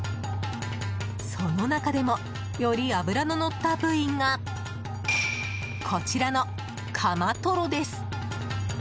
その中でもより脂ののった部位がこちらのカマトロです。